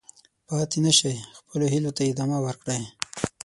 پاتې نه شئ، خپلو هیلو ته ادامه ورکړئ.